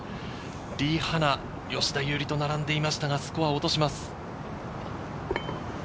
リ・ハナ、吉田優利と並んでいましたが、スコアを落とします。